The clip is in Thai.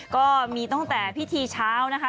ก็มีตั้งแต่พิธีเช้านะคะ